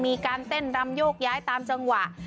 มีการเต้นรำโยกย้ายตามจังหวะ